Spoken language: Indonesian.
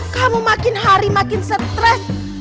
kamu makin hari makin stres